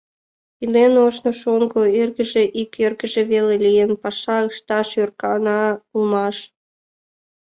Илен ожно шоҥго, эргыже, ик эргыже веле лийын, паша ышташ ӧркана улмаш.